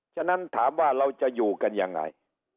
ฉะนั้นถามว่าเราจะอยู่กันยังไง